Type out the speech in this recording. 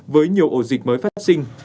với nhiều ổ dịch mới phát sinh